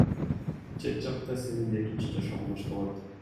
Чет жакта сенин экинчи жашооң башталат.